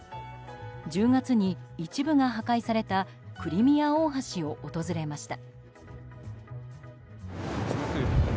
１０月に一部が破壊されたクリミア大橋を訪れました。